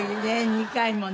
２回もね。